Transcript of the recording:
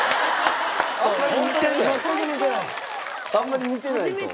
あんまり似てないと。